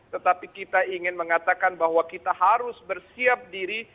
tetapi kita ingin mengatakan bahwa kita harus bersiap diri